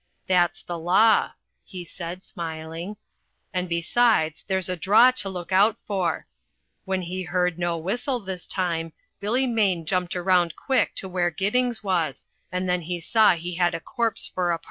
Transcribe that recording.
That's the law," he added, smiling, "and, besides, there's a draw to look out for. When he heard no whistle this time, Billy Maine jumped around quick to where Giddings was, and then he saw he had a corpse for a partner."